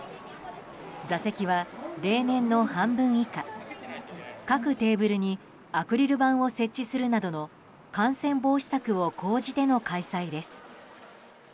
座席は例年の半分以下各テーブルにアクリル板を設置するなどの感染防止策を講じての開催です。